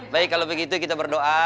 baik kalau begitu kita berdoa